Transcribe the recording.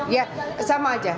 ya sama aja